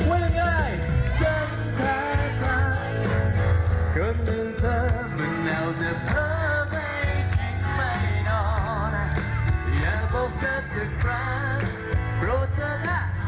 เอ่อเดินเลิร์นเลิร์น